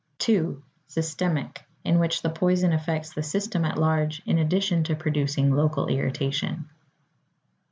2. Systemic, in which the poison affects the system at large in addition to producing local irritation.